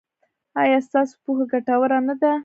ایا ستاسو پوهه ګټوره نه ده؟